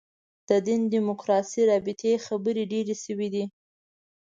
د دین دیموکراسي رابطې خبرې ډېرې شوې دي.